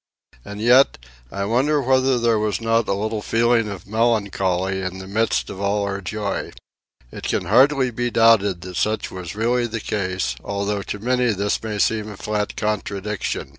And yet, I wonder whether there was not a little feeling of melancholy in the midst of all our joy? It can hardly be doubted that such was really the case, although to many this may seem a flat contradiction.